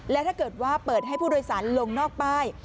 และถ้าเกิดว่าเปิดให้ผู้โดยสารลงนอกป้าย